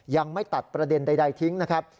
ยังไม่ตัดประเด็นใดทิ้งนะครับ